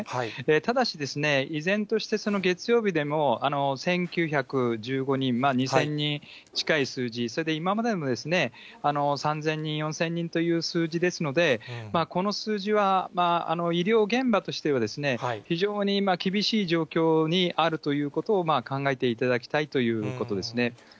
ただし、依然としてその月曜日でも１９１５人、２０００人近い数字、それで今までの３０００人、４０００人という数字ですので、この数字は医療現場としてはですね、非常に今、厳しい状況にあるということを考えていただきたいということです